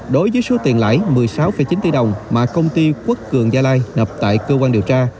đối với số tiền lãi một mươi sáu chín tỷ đồng mà công ty quốc cường gia lai nập tại cơ quan điều tra